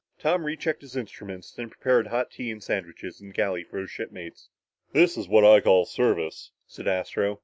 Tom rechecked his instruments, then prepared hot tea and sandwiches in the galley for his shipmates. "This is what I call service," said Astro.